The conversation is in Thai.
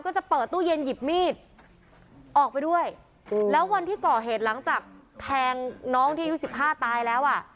ก็จะเปิดตู้เย็นหยิบมีดออกไปด้วยแล้ววันที่ก่อเหตุหลังจากแทงน้องที่อายุสิบห้าตายแล้วอ่ะ